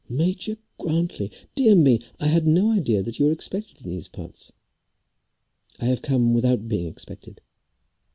"Major Grantly! Dear me! I had no idea that you were expected in these parts." "I have come without being expected."